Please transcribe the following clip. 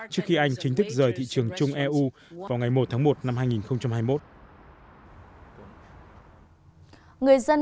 trước khi anh chính thức rời thị trường chung eu vào ngày một tháng một năm hai nghìn hai mươi một